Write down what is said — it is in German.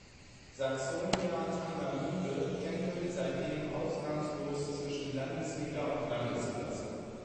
Saxonia Tangermünde pendelt seitdem ausnahmslos zwischen Landesliga und Landesklasse.